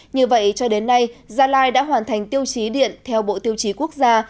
như vậy cho đến nay gia lai đã hoàn thành tiêu chí điện theo bộ tiêu chí quốc gia